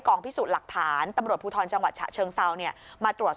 พิสูจน์หลักฐานตำรวจภูทรจังหวัดฉะเชิงเซาเนี่ยมาตรวจสอบ